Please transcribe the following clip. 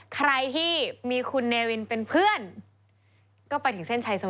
ใครที่มีคุณเนวินเป็นเพื่อนก็ไปถึงเส้นชัยสวร